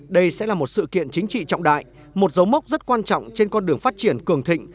đây sẽ là một sự kiện chính trị trọng đại một dấu mốc rất quan trọng trên con đường phát triển cường thịnh